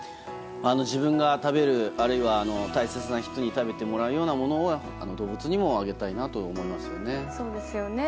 自分が食べる、あるいは大切な人に食べてもらうようなものを動物にもあげたいなと思いますよね。